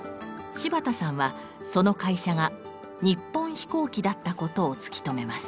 柴田さんはその会社が日本飛行機だったことを突き止めます。